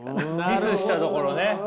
ミスしたところね。